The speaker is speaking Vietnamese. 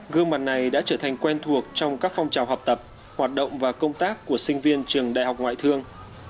gương mặt này đã trở thành quen thuộc trong các phong trào học tập hoạt động và công tác của sinh viên trường đại học ngoại thương